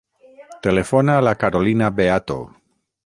Telefona a la Carolina Beato.